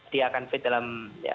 dia akan fit dalam